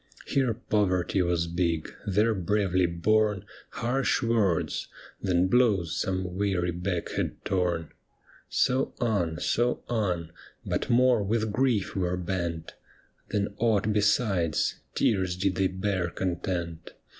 Here poverty was big, there bravely borne Harsh words, then blows some weary back had torn. So on, so on, but more with grief were bent Than aught besides, tears did they bear content.